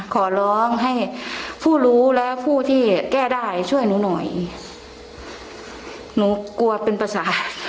ขอร้องให้ผู้รู้และผู้ที่แก้ได้ช่วยหนูหน่อยหนูกลัวเป็นภาษา